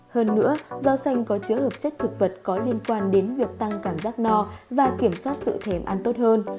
hơn nữa rau xanh có chứa hợp chất thực vật có liên quan đến việc tăng cảm giác no và kiểm soát sự thềm ăn tốt hơn